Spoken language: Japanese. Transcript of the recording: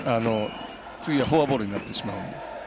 次はフォアボールになってしまうので。